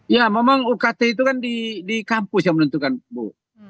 ya memang ukt itu kan di kampus yang menentukan bu